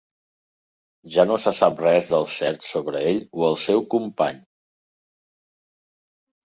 Ja no se sap res del cert sobre ell o el seu company.